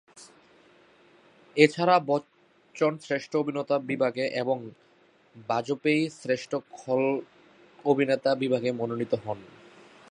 এছাড়া বচ্চন শ্রেষ্ঠ অভিনেতা বিভাগে এবং বাজপেয়ী শ্রেষ্ঠ খল অভিনেতা বিভাগে মনোনীত হন।